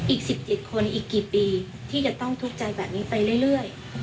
อีก๑๗คนอีกกี่ปีที่จะต้องทุกข์ใจแบบนี้ไปเรื่อย